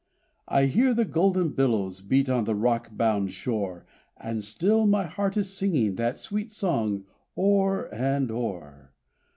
I hear the golden billows beat on the rock bound shore, And still my heart is singing that sweet song o'er and o'er!